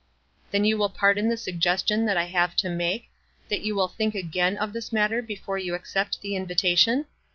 "Then will you pardon the suggestion that I have to make — that you will think again of this matter before you accept the invitation